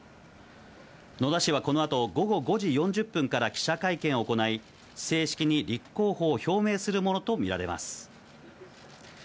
野田氏はこのあと午後５時４０分から記者会見を行い、正式に立候補を表明するものと見られます。